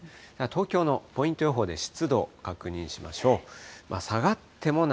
東京のポイント予報で湿度、確認しましょう。